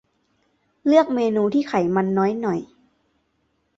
เลือกเมนูที่ไขมันน้อยหน่อย